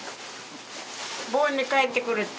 盆に帰ってくるって。